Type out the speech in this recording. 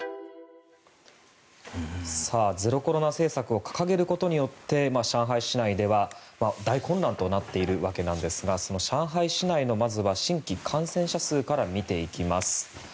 ゼロコロナ政策を掲げることによって上海市内では大混乱となっているわけですがその上海市内のまずは新規感染者数から見ていきます。